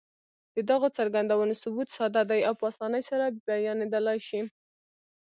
د دغو څرګندونو ثبوت ساده دی او په اسانۍ سره بيانېدلای شي.